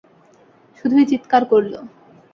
শুধুই চিৎকার করলো!